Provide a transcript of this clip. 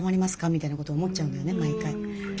みたいなこと思っちゃうんだよね毎回。